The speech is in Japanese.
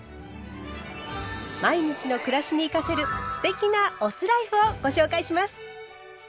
毎日の暮らしに生かせる“酢テキ”なお酢ライフをご紹介します。